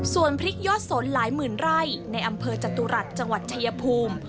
ส่วนพริกยอดสนหลายหมื่นไร่ในอำเภอจตุรัสจังหวัดชายภูมิ